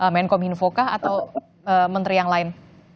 menkom infokah atau menteri yang lain